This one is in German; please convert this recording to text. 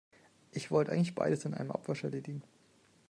Ich wollte eigentlich beides in einem Abwasch erledigen.